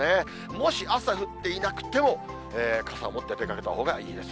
もし朝降っていなくても、傘を持って出かけたほうがいいです。